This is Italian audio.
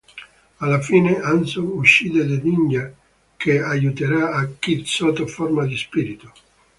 Alla fine, Hanzo uccide The Ninja che aiuterà Kid sotto forma di spirito.